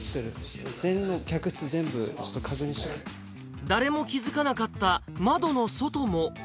全部、誰も気付かなかった窓の外も。